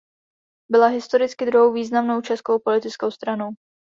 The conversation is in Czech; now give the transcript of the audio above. Byla historicky druhou významnou českou politickou stranou.